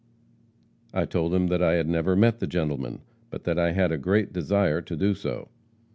I told him that I had never met the gentleman, but that I had a great desire to do so.